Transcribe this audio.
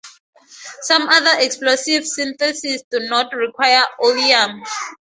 Some other explosive syntheses do not require oleum.